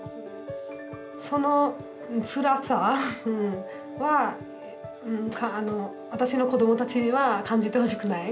そのつらさは、私の子どもたちには感じてほしくない。